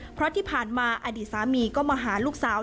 เพราะที่ผ่านมาอดีตสามีก็มาหาลูกสาว